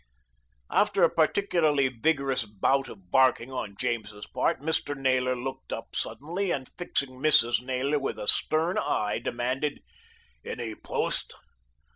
After a particularly vigorous bout of barking on James's part, Mr. Naylor looked up suddenly and, fixing Mrs. Naylor with astern eye, demanded, "Any post?"